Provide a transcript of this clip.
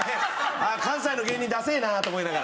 ああ関西の芸人ダセえなと思いながら。